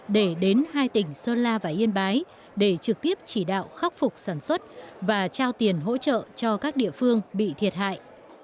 để đến hai tỉnh sơn la và yên bái để trực tiếp chỉ đạo khắc phục sản xuất và trao tiền hỗ trợ cho các địa phương bị thiệt hại